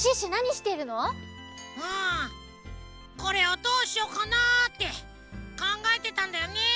うんこれをどうしよかなってかんがえてたんだよね。